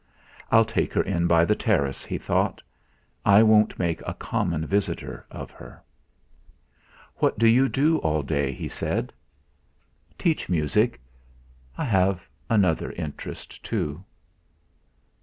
"I'll take her in by the terrace," he thought: "I won't make a common visitor of her." "What do you do all day?" he said. "Teach music; I have another interest, too."